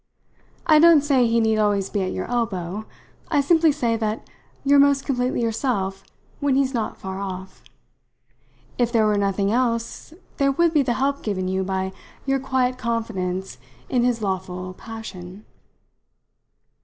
I don't say he need always be at your elbow; I simply say that you're most completely yourself when he's not far off. If there were nothing else there would be the help given you by your quiet confidence in his lawful passion."